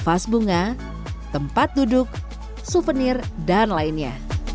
vas bunga tempat duduk souvenir dan lainnya